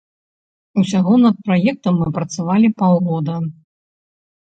Усяго над праектам мы працавалі паўгода.